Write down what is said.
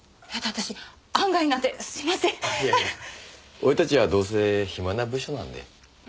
俺たちはどうせ暇な部署なんで。